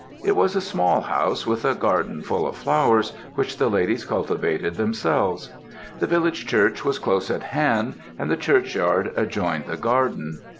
It was a small house with a garden full of flowers, which the ladies cultivated themselves. The village church was close at hand, and the churchyard adjoined the garden.